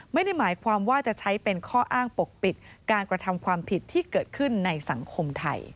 ไม่ได้หมายความว่าจะใช้เป็นข้ออ้างปกปิดการกระทำความผิดที่เกิดขึ้นในสังคมไทย